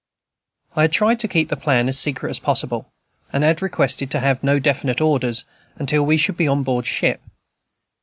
I had tried to keep the plan as secret as possible, and had requested to have no definite orders, until we should be on board ship.